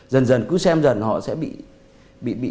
dần dần cứ xem dần họ sẽ bị